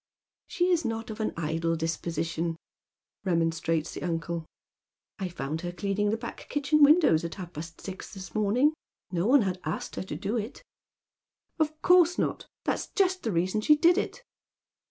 " She is not of an idle disposition," remonstrates the uncle "I found her cleaning the back kitchen windows at half paat sis this morning. No one had asked her to do it." " Of course not. That's just the reason she did it."